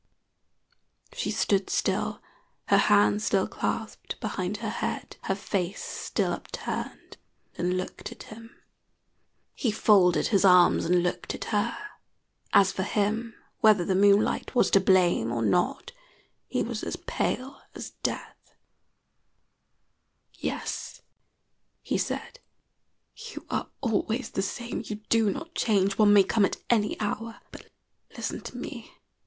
She stood still, her hands still clasped behind her head, her face still upturned, and looked at him. [Illustration: Her hands still clasped behind her head 107] He folded his arms and looked at her. As for him, whether the moonlight was to blame or not, he was as pale as death. "Yes," he said, "you are always the same. You do not change. One may come at any hour. But listen to me.